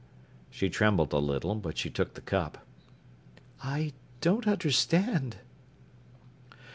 She trembled a little, but she took the cup. "I don't understand."